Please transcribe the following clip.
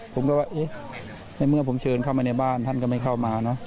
ผมก็ว่าเอ๊ะในเมื่อผมเชิญเข้ามาในบ้านท่านก็ไม่เข้ามาเนอะ